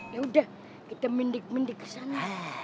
yaudah kita mendik mendik kesana